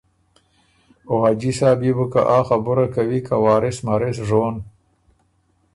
او حاجی صاحب يې بو که آ خبُره کوی که وارث مارث ژون